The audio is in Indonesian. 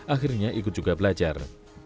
akhirnya ikut juga belajar